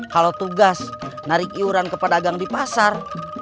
kalau tugas narik iuran ke pedagang di pasar